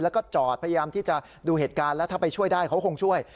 แล้วก็จอดพยายามที่จะดูเหตุการณ์แล้วถ้าไปช่วยได้เขาคงช่วย